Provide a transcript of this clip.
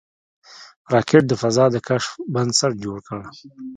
راکټ د فضا د کشف بنسټ جوړ کړ